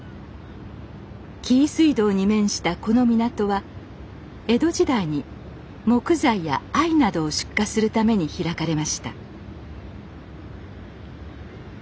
紀伊水道に面したこの港は江戸時代に木材や藍などを出荷するために開かれました